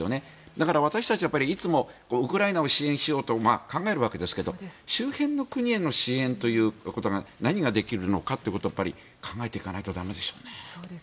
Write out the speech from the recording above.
だから私たちはいつもウクライナを支援しようと考えるわけですけど周辺の国への支援ということが何ができるのかと考えていかないと駄目でしょう。